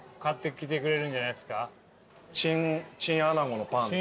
チンアナゴのパン。